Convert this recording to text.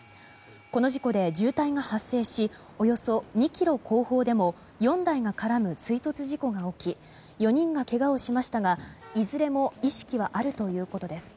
この事故で渋滞が発生しおよそ２ｋｍ後方でも４台が絡む追突事故が起き４人がけがをしましたがいずれも意識はあるということです。